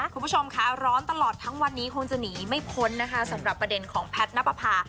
คุณผู้ชมค่ะร้อนตลอดทั้งวันนี้คงจะหนีไม่พ้นนะคะสำหรับประเด็นของแพทย์นับประพา